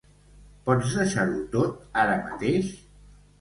Pots deixar-ho tot ara mateix?